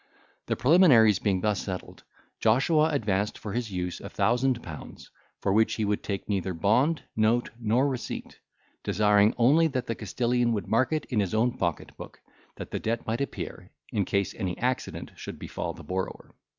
The preliminaries being thus settled, Joshua advanced for his use a thousand pounds, for which he would take neither bond, note, nor receipt, desiring only that the Castilian would mark it in his own pocket book, that the debt might appear, in case any accident should befall the borrower.